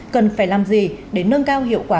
cần phải làm gì để nâng cao hiệu quả